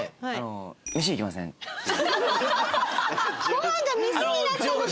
「ご飯」が「飯」になったのか。